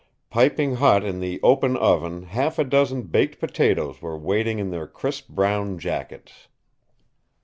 Piping hot in the open oven half a dozen baked potatoes were waiting in their crisp brown jackets.